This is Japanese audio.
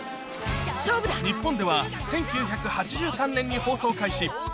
日本では１９８３年に放送開始。